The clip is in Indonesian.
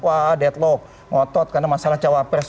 wah deadlock ngotot karena masalah cawa press